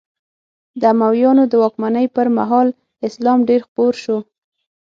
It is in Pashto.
د امویانو د واکمنۍ پر مهال اسلام ډېر خپور شو.